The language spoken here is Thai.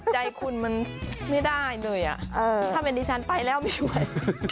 ใจคุณมันไม่ได้เลยถ้าเป็นดิฉันไปแล้วไม่ช่วย